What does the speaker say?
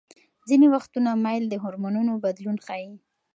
ځینې وختونه میل د هورمونونو بدلون ښيي.